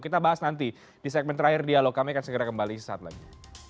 kita bahas nanti di segmen terakhir dialog kami akan segera kembali saat lagi